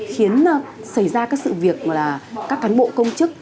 khiến xảy ra các sự việc là các cán bộ công chức